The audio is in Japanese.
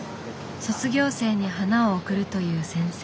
卒業生に花を贈るという先生。